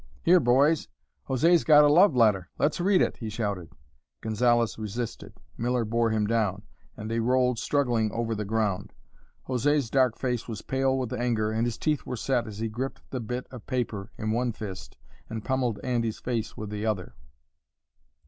"Here, boys; José's got a love letter! Let's read it!" he shouted. Gonzalez resisted; Miller bore him down; and they rolled, struggling, over the ground. José's dark face was pale with anger and his teeth were set as he gripped the bit of paper in one fist and pummelled Andy's face with the other.